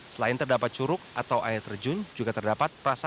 selain terdapat curug atau air terjun juga terdapat perasaan